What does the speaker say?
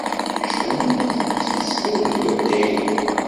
Taqcict-nni tettmeslay d waddagen.